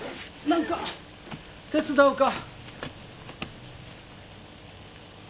何か手伝おうか。